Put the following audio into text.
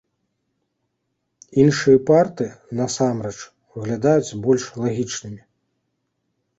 Іншыя парты насамрэч выглядаюць больш лагічнымі.